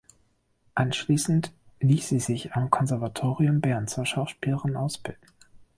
Anschliessend liess sie sich am Konservatorium Bern zur Schauspielerin ausbilden.